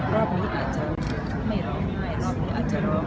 รอบนี้อาจจะไม่ร้องไห้รอบนี้อาจจะร้อง